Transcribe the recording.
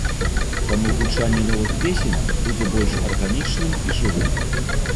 Таму гучанне новых песень будзе больш арганічным і жывым.